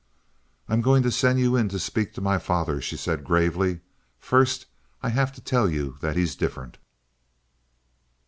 "I'm going to send you in to speak to my father," she said gravely. "First I have to tell you that he's different."